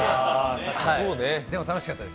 でも、楽しかったです。